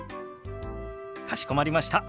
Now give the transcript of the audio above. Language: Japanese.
かしこまりました。